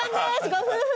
ご夫婦！